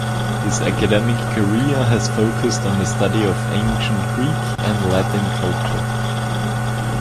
His academic career has focused on the study of ancient Greek and Latin culture.